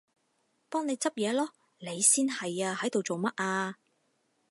幫你執嘢囉！你先係啊，喺度做乜啊？